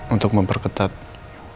untuk memperketat penjagaannya sama dia